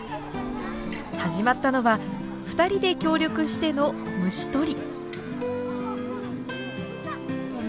始まったのは２人で協力しての「虫捕り」。